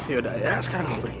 yaudah ya sekarang kamu pergi ya